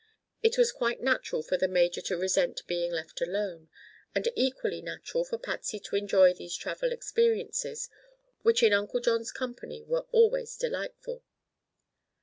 It was quite natural for the major to resent being left alone, and equally natural for Patsy to enjoy these travel experiences, which in Uncle John's company were always delightful.